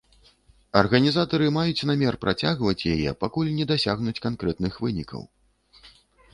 Арганізатары маюць намер працягваць яе, пакуль не дасягнуць канкрэтных вынікаў.